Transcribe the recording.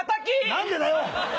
何でだよ！